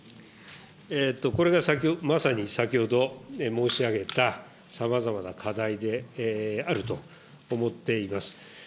これがまさに先ほど申し上げたさまざまな課題であると思っています。